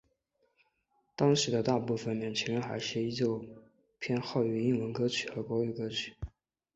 当时的大部份年轻人还是依旧偏好于英文歌曲和国语歌曲。